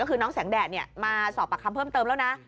ก็คือน้องแสงแดดมาสอบปากคำเพิ่มเติมแล้วนะ